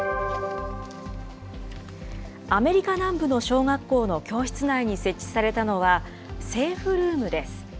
アメリカ南部の小学校の教室内に設置されたのは、セーフルームです。